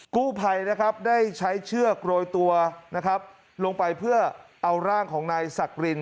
กู้ภัยนะครับได้ใช้เชือกโรยตัวนะครับลงไปเพื่อเอาร่างของนายสักริน